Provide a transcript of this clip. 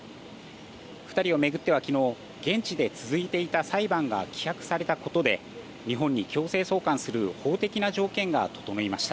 ２人を巡っては昨日現地で続いていた裁判が棄却されたことで日本に強制送還する法的な条件が整いました。